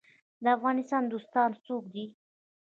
د افغانستان دوستان څوک دي؟